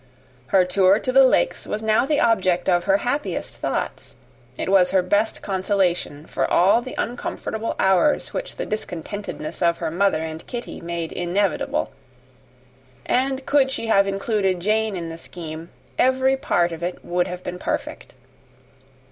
Her tour to the Lakes was now the object of her happiest thoughts: it was her best consolation for all the uncomfortable hours which the discontentedness of her mother and Kitty made inevitable; and could she have included Jane in the scheme, every part of it would have been perfect.